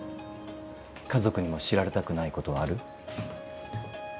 家族にも知られたくないことはある？